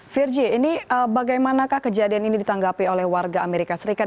virgie bagaimana kejadian ini ditanggapi oleh warga amerika serikat